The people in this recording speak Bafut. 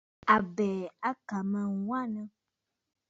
Àbɛ̀ɛ̀ à kà mə aa wanə.